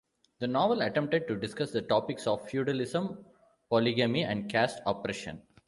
The novel attempted to discuss the topics of feudalism, polygamy and caste oppression.